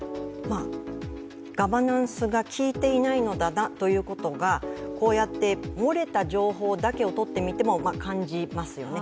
ガバナンスがきいていないのだなということがこうやって漏れた情報だけをとってみても感じますよね。